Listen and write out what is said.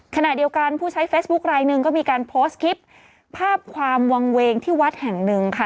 ขณะเดียวกันผู้ใช้เฟซบุ๊คลายหนึ่งก็มีการโพสต์คลิปภาพความวางเวงที่วัดแห่งหนึ่งค่ะ